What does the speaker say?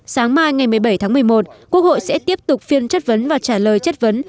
sáng mai ngày một mươi bảy tháng một mươi một quốc hội sẽ tiếp tục phiên chất vấn và trả lời chất vấn